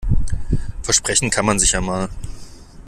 Versprechen kann man sich ja mal.